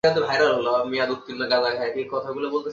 এ ব্যাপারে আর কথা বলবি না!